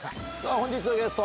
本日のゲスト。